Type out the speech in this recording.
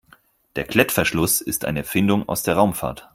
Der Klettverschluss ist eine Erfindung aus der Raumfahrt.